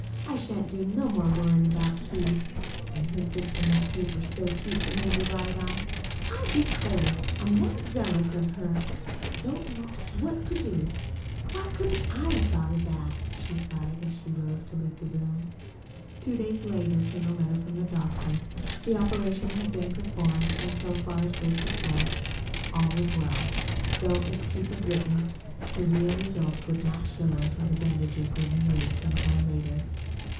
I shan't do no more worryin' about Keith. An' her fixin' that paper so cute for him to write on I declare I'm that zealous of her I don't know what to do. Why couldn't I 'a' thought of that?" she sighed, as she rose to leave the room. Two days later came a letter from the doctor. The operation had been performed and, so far as they could judge, all was well, though, as Keith had written, the real results would not show until the bandages were removed some time later.